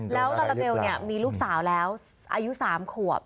แล้วลาลาเบลมีลูกสาวแล้วอายุ๓ขวบ